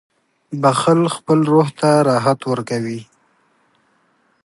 • بخښل خپل روح ته راحت ورکوي.